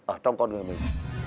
ở trong con người mình